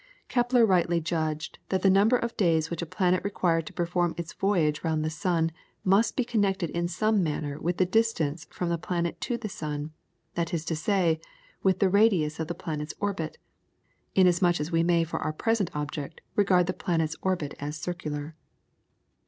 Kepler rightly judged that the number of days which a planet required to perform its voyage round the sun must be connected in some manner with the distance from the planet to the sun; that is to say, with the radius of the planet's orbit, inasmuch as we may for our present object regard the planet's orbit as circular.